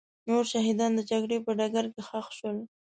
نور شهیدان د جګړې په ډګر کې ښخ شول.